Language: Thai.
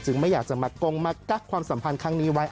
ไม่อยากจะมากงมากักความสัมพันธ์ครั้งนี้ไว้